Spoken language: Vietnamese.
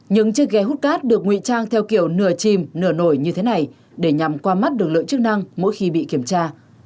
những chiếc ghe hút cát được nguy trang theo kiểu nửa chìm nửa nổi như thế này để nhằm qua mắt lực lượng chức năng mỗi khi bị kiểm tra